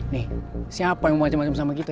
nih siapa yang mau macem macem sama kita